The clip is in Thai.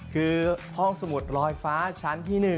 คือห้องสมุดลอยฟ้าชั้นที่๑